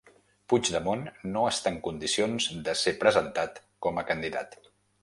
Puigdemont no està en condicions de ser presentat com a candidat.